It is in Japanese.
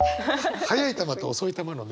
速い球と遅い球のね。